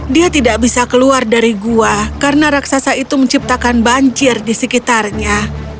dia tidak bisa keluar dari gua karena raksasa itu menciptakan banjir di sekitarnya